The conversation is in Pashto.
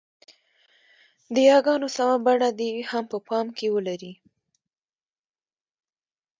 د ی ګانو سمه بڼه دې هم په پام کې ولري.